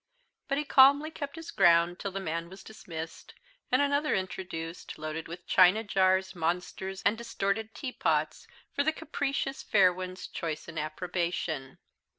But he calmly kept his ground till the man was dismissed, and another introduced, loaded with china jars, monsters, and distorted teapots, for the capricious fair one's choice and approbation.